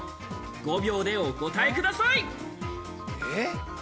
５秒でお答えください。